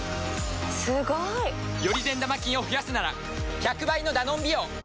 すごい！より善玉菌を増やすなら１００倍のダノンビオ。